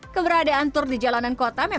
keberadaan tur di jalanan kota